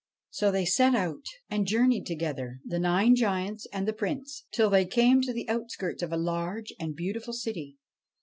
So they set out and journeyed together the nine giants and the Prince till they came to the outskirts of a large and beautiful city.